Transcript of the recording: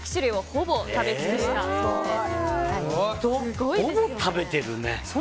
ほぼ食べてるね。